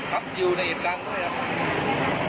ครับอยู่ในกลางด้วยครับ